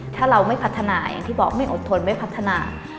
ถ้าเราไม่พัฒนาอย่างที่บอกไม่อดทนไม่พัฒนา